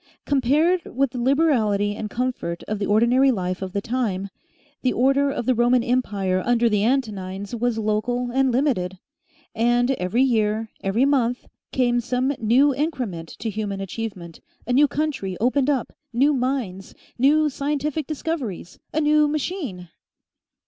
Compared with the liberality and comfort of the ordinary life of the time, the order of the Roman Empire under the Antonines was local and limited. And every year, every month, came some new increment to human achievement, a new country opened up, new mines, new scientific discoveries, a new machine!